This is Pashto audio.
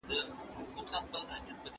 الکول روحي او عصبي ناروغۍ لامل کېږي.